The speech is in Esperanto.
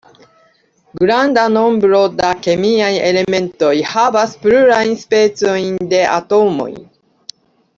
Granda nombro da kemiaj elementoj havas plurajn specojn de atomoj.